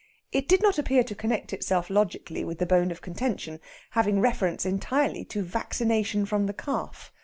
It did not appear to connect itself logically with the bone of contention, having reference entirely to vaccination from the calf.